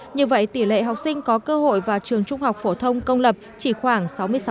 như vậy tỷ lệ học sinh có cơ hội vào trường trung học phổ thông công lập chỉ khoảng sáu mươi sáu